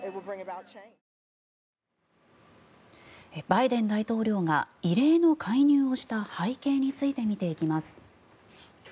バイデン大統領が異例の介入をした背景について見ていきます。